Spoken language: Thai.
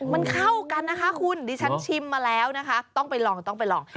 มันเข้ากันนะคะคุณดิฉันชิมมาแล้วนะคะต้องไปลองต้องไปลอง